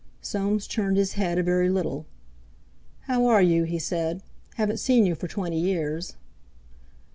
Soames turned his head a very little. "How are you?" he said. "Haven't seen you for twenty years."